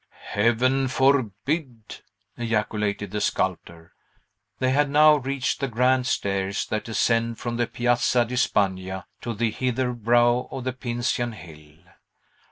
"Heaven forbid!" ejaculated the sculptor. They had now reached the grand stairs that ascend from the Piazza di Spagna to the hither brow of the Pincian Hill.